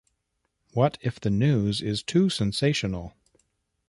What if the news is too sensational?